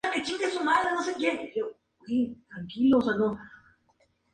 Nacido en Londres, Inglaterra, su nombre completo era Frederick William Rains.